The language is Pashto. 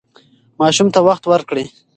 ماشوم ته وخت ورکړئ.